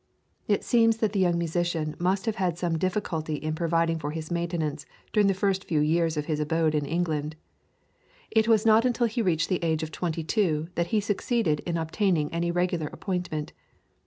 It seems that the young musician must have had some difficulty in providing for his maintenance during the first few years of his abode in England. It was not until he had reached the age of twenty two that he succeeded in obtaining any regular appointment.